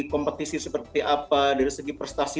kompetisi seperti apa dari segi prestasi